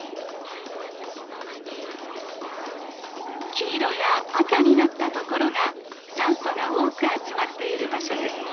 黄色や赤になったところが酸素が多く集まっている場所です。